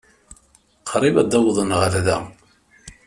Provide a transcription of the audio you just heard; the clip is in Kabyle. Qrib ad d-awḍen ɣer da.